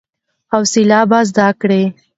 حوصله به زده کړې !